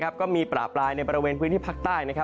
ก็มีประปรายในบริเวณพื้นที่ภาคใต้